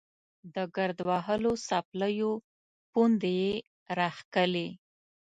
د ګرد وهلو څپلیو پوندې یې راښکلې.